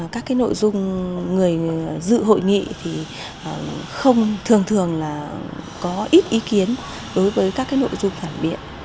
các nội dung người dự hội nghị thì không thường thường là có ít ý kiến đối với các nội dung phản biện